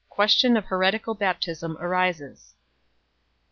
Question of heretical baptism arises.